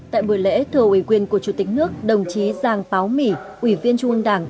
tại buổi lễ thờ ủy quyền của chủ tịch nước đồng chí giàng báo mỹ ủy viên trung ương đảng